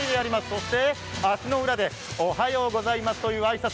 そして、足の裏でおはようございますという挨拶。